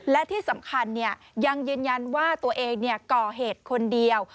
และที่สำคัญยังยืนยันว่าตัวเองก่อเหตุคนเดียว